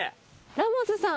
ラモスさん